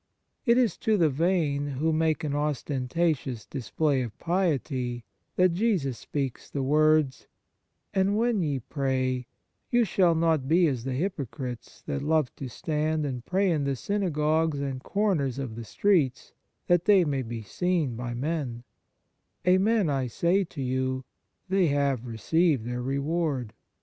It is to the vain, who make an ostentatious display of piety, that Jesus speaks the words :" And when ye pray, you shall not be as the hypo crites, that love to stand and pray in the synagogues and corners of the streets, that they may be seen by men : Amen I say to you, they have received their reward.